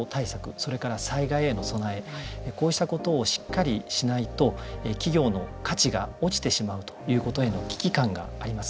それから、災害への備えこうしたことをしっかりしないと企業の価値が落ちてしまうということへの危機感があります。